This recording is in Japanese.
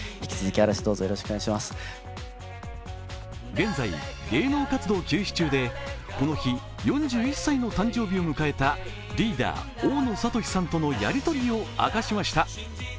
現在、芸能活動休止中でこの日、４１歳の誕生日を迎えたリーダー・大野智さんとのやりとりを明かしました。